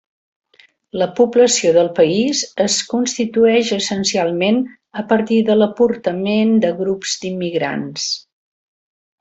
La població del país es constitueix essencialment a partir de l'aportament de grups d'immigrants.